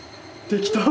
できた。